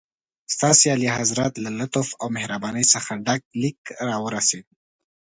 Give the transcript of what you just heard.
ستاسي اعلیحضرت له لطف او مهربانۍ څخه ډک لیک راورسېد.